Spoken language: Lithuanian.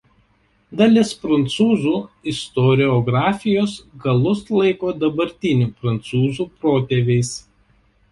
Dalis prancūzų istoriografijos galus laiko dabartinių prancūzų protėviais.